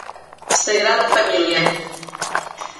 Sagrada Família